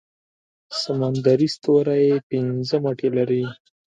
سمندري ستوری پنځه مټې لري